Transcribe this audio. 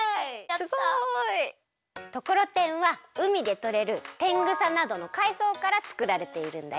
ところてんは海でとれるてんぐさなどのかいそうからつくられているんだよ。